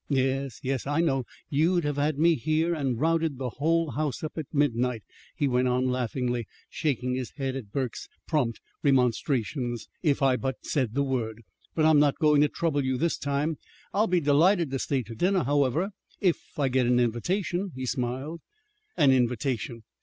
Yes, yes, I know you'd have had me here, and routed the whole house up at midnight," he went on laughingly, shaking his head at Burke's prompt remonstrations, "if I but said the word. But I'm not going to trouble you this time. I'll be delighted to stay to dinner, however, if I get an invitation," he smiled. "An invitation!